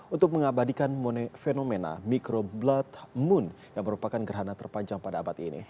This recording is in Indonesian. untuk mengabadikan monofenomena micro blood moon yang merupakan gerhana terpanjang pada abad ini